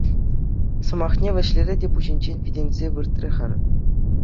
Сӑмахне вӗҫлерӗ те пуҫӗнчен витӗнсе выртрӗ хӗр.